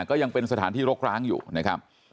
ก็ยังเป็นสถานที่รกร้างอยู่นะครับ